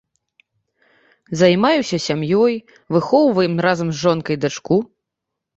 Займаюся сям'ёй, выхоўваем разам з жонкай дачку.